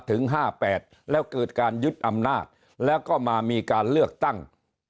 ถึง๕๘แล้วเกิดการยึดอำนาจแล้วก็มามีการเลือกตั้ง